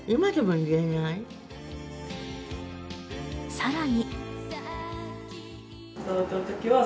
さらに。